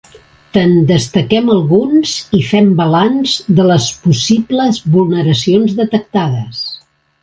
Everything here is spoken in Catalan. Te'n destaquem alguns i fem balanç de les possibles vulneracions detectades.